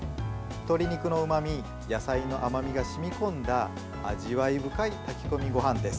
鶏肉のうまみ野菜の甘みが染み込んだ味わい深い炊き込みごはんです。